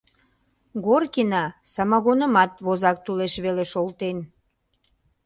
Горкина самогонымат возак тулеш веле шолтен.